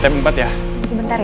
terima kasih bentar ya